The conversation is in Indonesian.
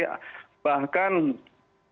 jadi bahkan barusan setelah